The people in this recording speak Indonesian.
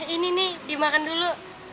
ini nini dimakan dulu